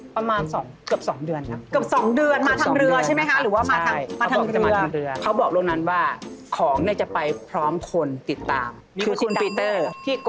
ผู้หญิงไทยโทรมาอีก